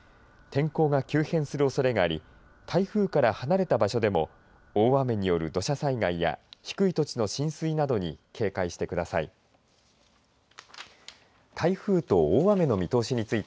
天候が急変するおそれがあり台風から離れた場所でも大雨による土砂災害や低い土地の浸水などに警戒してください。